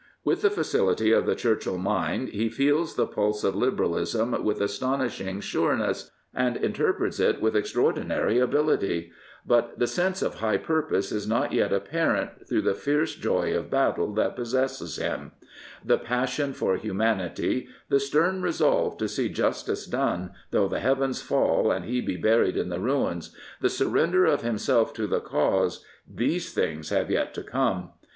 With the facility of the Churchill mind he feels the pulse of Liberalism with astonishing sure ness, and interprets it with extraordinary ability. But the sense of high purpose is not yet apparent ^35 Prophets, Priests, and Kings ^through the fierce joy of battle that possesses Wm. |The passion for humanity, the stern resolve to see justice done though the heavens fall and he be buried in the ruins, the surrender of himself to the cause — these things have yet to come.